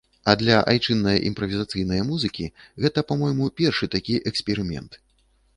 А для айчыннае імправізацыйнае музыкі гэта, па-мойму, першы такі эксперымент.